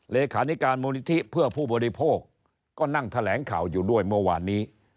เลขานิการมูลนิธิเพื่อผู้บริโภคก็นั่งแถลงข่าวอยู่ด้วยเมื่อวานนี้